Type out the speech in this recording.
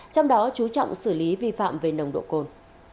trong đó chú trọng xử lý vi phạm về nồng độ cồn